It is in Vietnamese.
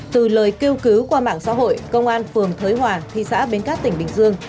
từ lời kêu cứu qua mạng xã hội công an phường thới hòa thị xã bến cát tỉnh bình dương